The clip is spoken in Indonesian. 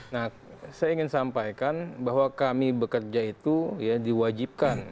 nah saya ingin sampaikan bahwa kami bekerja itu ya diwajibkan